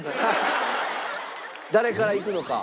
誰からいくのか？